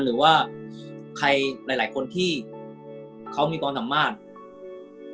หรือว่าชายหลายคนที่เค้ามีความสามมาช